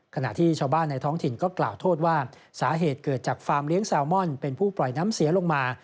ขณะที่ชาวบ้านในท้องถิ่นก็กล่าวโทษว่าสาเหตุเกิดจากฟาร์มเลี้ยงแซลมอนเป็นผู้ปล่อยน้ำเสียลงมา